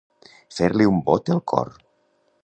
Fer-li un bot el cor.